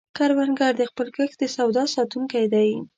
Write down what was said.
کروندګر د خپل کښت د سواد ساتونکی دی